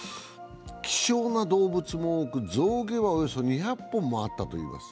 希少な動物も多く、象牙はおよそ２００本もあったといいます。